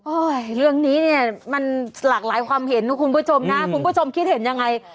เรื่องนี้เนี่ยมันหลากหลายความเห็นนะคุณผู้ชมนะคุณผู้ชมคิดเห็นยังไง